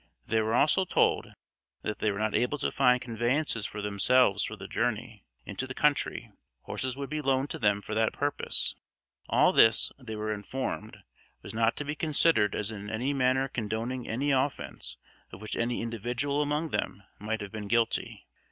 They were also told that if they were not able to find conveyances for themselves for the journey into the country, horses would be loaned to them for that purpose. All this, they were informed, was not to be considered as in any manner condoning any offense of which any individual among them might have been guilty.